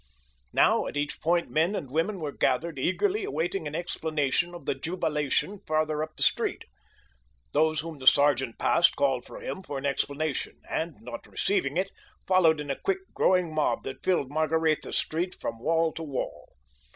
Now, at each point men and women were gathered, eagerly awaiting an explanation of the jubilation farther up the street. Those whom the sergeant passed called to him for an explanation, and not receiving it, followed in a quickly growing mob that filled Margaretha Street from wall to wall.